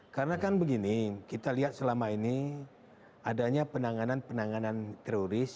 karena kan begini kita lihat selama ini adanya penanganan penanganan terorisme